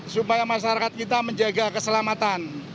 supaya masyarakat kita menjaga keselamatan